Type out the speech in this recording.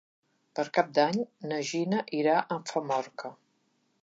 Per Cap d'Any na Gina irà a Famorca.